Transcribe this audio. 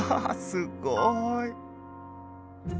すごい！